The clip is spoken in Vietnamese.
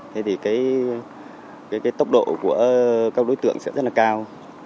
thế thì cái tốc độ của các đối tượng sẽ rất là cao